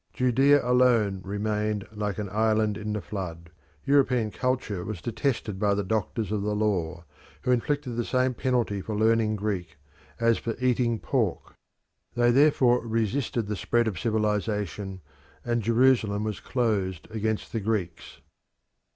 Judea alone remained like an island in the flood. European culture was detested by the doctors of the law, who inflicted the same penalty for learning Greek as for eating pork. They therefore resisted the spread of civilisation, and Jerusalem was closed against the Greeks.